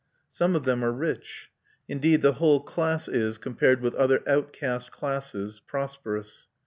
Some of them are rich. Indeed, the whole class is, compared with other outcast classes, prosperous.